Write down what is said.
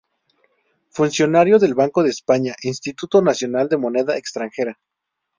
Funcionario del Banco de España, Instituto Nacional de Moneda Extranjera.